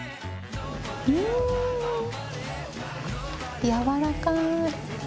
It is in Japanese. うんやわらかい！